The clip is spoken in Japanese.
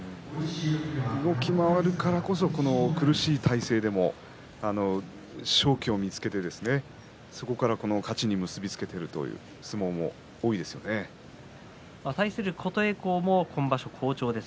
動き回るからこそ苦しい体勢でも勝機を見つけてそこから勝ちに結び付けていく対する琴恵光も今場所、好調です。